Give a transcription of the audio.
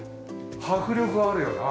迫力あるよな。